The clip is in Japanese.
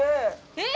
えっ！